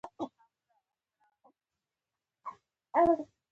د رازیانې دانه د څه لپاره وکاروم؟